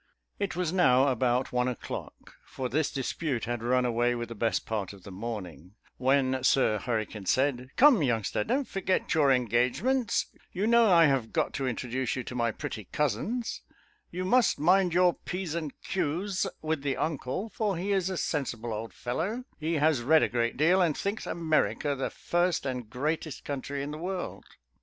It was now about one o'clock, for this dispute had ran away with the best part of the morning, when Sir Hurricane said, "Come, youngster, don't forget your engagements you know I have got to introduce you to my pretty cousins you must mind your P's and Q's with the uncle, for he is a sensible old fellow has read a great deal, and thinks America the first and greatest country in the world."